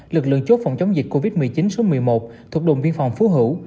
lực lượng chốt phòng chống dịch covid một mươi chín số một mươi một thuộc đồn biên phòng phú hữu